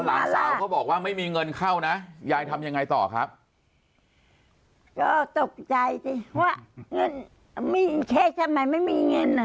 ถามมาถามใจเดี๋ยวเพราะมีเท็จบ้างอะไรมันไม่มีเงิน